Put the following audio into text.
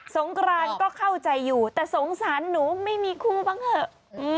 งกรานก็เข้าใจอยู่แต่สงสารหนูไม่มีคู่บ้างเถอะ